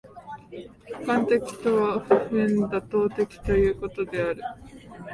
客観的とは普遍妥当的ということである。